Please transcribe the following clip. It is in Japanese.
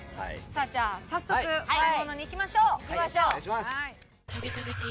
じゃあ早速お買い物に行きましょう！